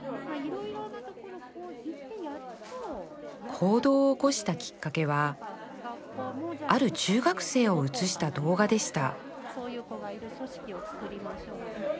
行動を起こしたきっかけはある中学生を映した動画でした